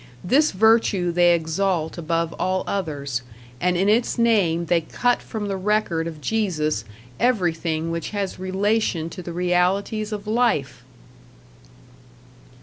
This virtue they exalt above all others, and in its name they cut from the record of Jesus everything which has relation to the realities of life!